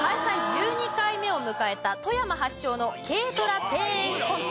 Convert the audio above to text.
１２回目を迎えた富山発祥の軽トラ庭園コンテスト。